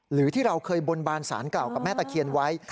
หรือที่เราเคยบนบานสารกล่าวกับแม่ตะเคียนไว้